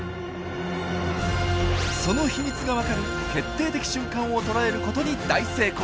その秘密がわかる決定的瞬間を捉えることに大成功！